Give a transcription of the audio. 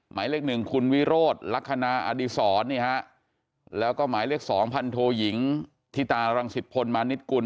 หมายเลขหนึ่งคุณวิโรธลักษณะอดีศรแล้วก็หมายเลขสองพันโทยิงธิตารังสิตพลมานิดกุล